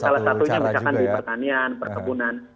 salah satunya misalkan di pertanian perkebunan